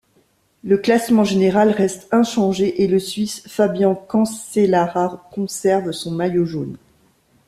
Le classement général reste inchangé et le Suisse Fabian Cancellara conserve son maillot jaune.